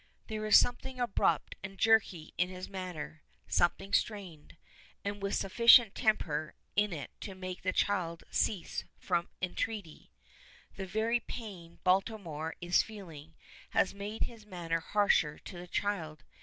There is something abrupt and jerky in his manner something strained, and with sufficient temper in it to make the child cease from entreaty. The very pain Baltimore, is feeling has made his manner harsher to the child.